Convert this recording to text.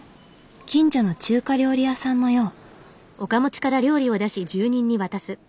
近所の中華料理屋さんのよう。